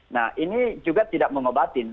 nah ini juga tidak mengobatin